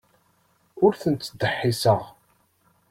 Ur tent-ttdeḥḥiseɣ.